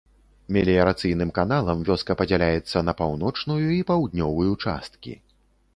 Меліярацыйным каналам вёска падзяляецца на паўночную і паўднёвую часткі.